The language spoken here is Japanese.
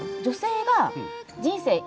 女性が人生